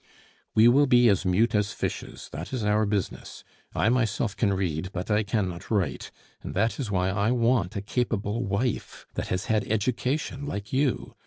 "We will be as mute as fishes. That is our business. I myself can read, but I cannot write, and that is why I want a capable wife that has had education like you.